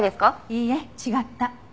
いいえ違った。